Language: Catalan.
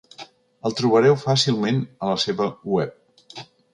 El trobareu fàcilment a la seva web.